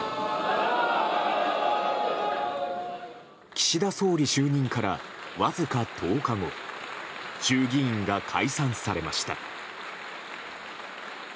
岸田総理就任からわずか１０日後衆議院が解散されました。